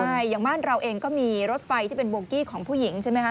ใช่อย่างบ้านเราเองก็มีรถไฟที่เป็นโบกี้ของผู้หญิงใช่ไหมคะ